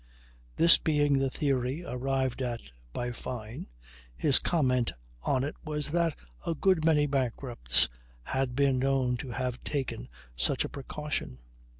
This being the theory arrived at by Fyne, his comment on it was that a good many bankrupts had been known to have taken such a precaution.